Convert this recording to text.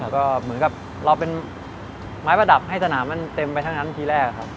ก็เหมือนกับเราเป็นไม้ประดับให้สนามมันเต็มไปทั้งนั้นทีแรกครับ